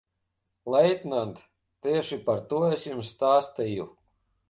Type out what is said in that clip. Leitnant, tieši par to es jums stāstīju.